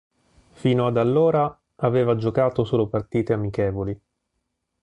Fino ad allora aveva giocato solo partite amichevoli.